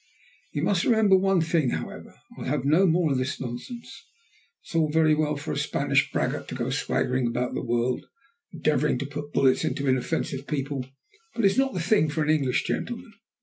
You must remember one thing, however: I'll have no more of this nonsense. It's all very well for a Spanish braggart to go swaggering about the world, endeavouring to put bullets into inoffensive people, but it's not the thing for an English gentleman."